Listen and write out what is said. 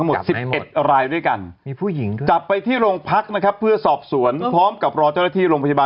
ฮ่าฮ่าฮ่าฮ่าฮ่า